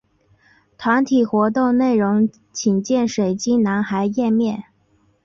团体活动内容请见水晶男孩页面。